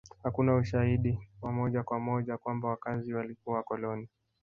Hakuna ushahidi wa moja kwa moja kwamba wakazi walikuwa wakoloni